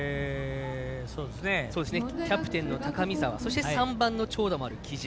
キャプテンの高見澤そして、３番の長打もある木嶋